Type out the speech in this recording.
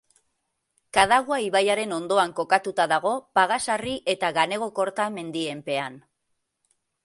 Kadagua ibaiaren ondoan kokatuta dago Pagasarri eta Ganekogorta mendien pean.